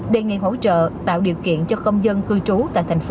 đề nghị hỗ trợ tạo điều kiện cho công dân cư trú tại thành phố